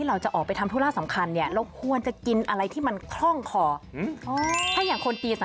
อ่าใช่การกินเนี่ยเสิร์ฟรวงได้นะ